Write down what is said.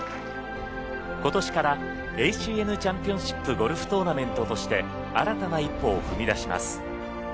今年からＡＣＮチャンピオンシップゴルフトーナメントとして新たな一歩を踏み出します。